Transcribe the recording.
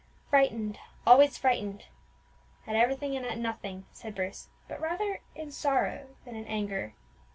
"Frightened, always frightened, at everything and at nothing!" said Bruce, but rather in sorrow than in anger.